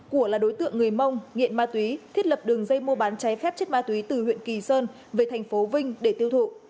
của là đối tượng người mông nghiện ma túy thiết lập đường dây mua bán trái phép chất ma túy từ huyện kỳ sơn về thành phố vinh để tiêu thụ